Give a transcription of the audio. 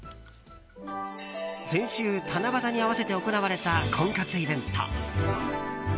先週、七夕に合わせて行われた婚活イベント。